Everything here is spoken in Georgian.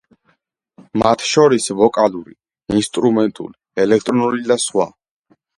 მათ შორის: ვოკალური, ინსტრუმენტულ, ელექტრონული და სხვა.